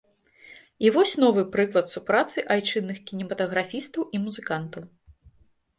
І вось новы прыклад супрацы айчынных кінематаграфістаў і музыкантаў.